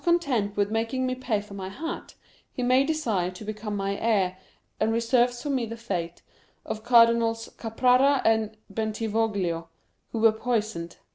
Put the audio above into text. content with making me pay for my hat, he may desire to become my heir, and re...serves for me the fate of Cardinals Caprara and Bentivoglio, who were poisoned